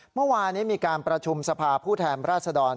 เมื่อวานนี้มีการประชุมสภาผู้แทนราชดร